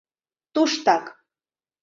— Туштак.